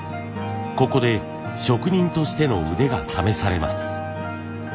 ここで職人としての腕が試されます。